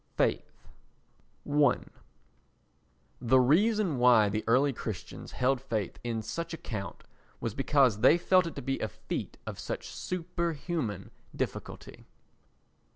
Faith i The reason why the early Christians held faith in such account was because they felt it to be a feat of such superhuman difficulty.